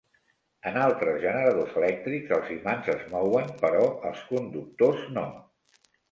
En altres generadors elèctrics, els imants es mouen però els conductors no.